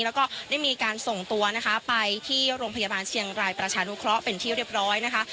แล้วก็ได้มีการส่งตัวนะคะไปที่โรงพยาบาลเชียงรายประชานุเคราะห์เป็นที่เรียบร้อยนะคะ